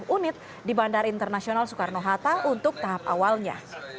dua puluh unit di bandara internasional soekarno hatta untuk tahap awalnya